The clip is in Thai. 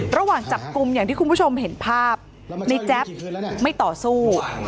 ระหว่างจับกลุ่มอย่างที่คุณผู้ชมเห็นภาพในแจ๊บไม่ต่อสู้